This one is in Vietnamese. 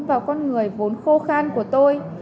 vào con người vốn khô khan của tôi